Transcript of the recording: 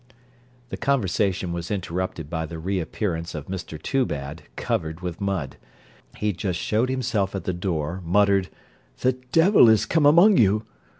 The conversation was interrupted by the re appearance of Mr Toobad, covered with mud. He just showed himself at the door, muttered 'The devil is come among you!'